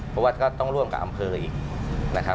เพราะว่าก็ต้องร่วมกับอำเภออีกนะครับ